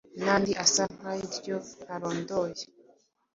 nandi asa nkaryo ntarondoye.